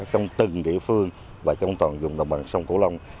trong từng địa phương và trong toàn vùng đồng bằng sông cổ long